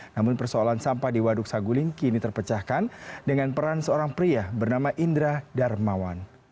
namun persoalan sampah di waduk saguling kini terpecahkan dengan peran seorang pria bernama indra darmawan